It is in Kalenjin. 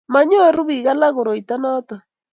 manyoru biik alak koroito noto